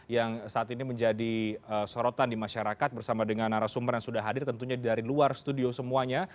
yang saat ini menjadi sorotan di masyarakat bersama dengan narasumber yang sudah hadir tentunya dari luar studio semuanya